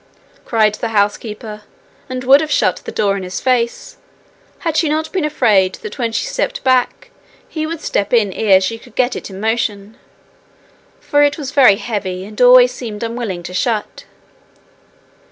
cried the housekeeper, and would have shut the door in his face, had she not been afraid that when she stepped back he would step in ere she could get it in motion, for it was very heavy and always seemed unwilling to shut.